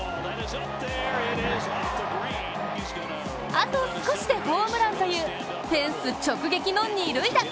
あと少しでホームランというフェンス直撃の二塁打。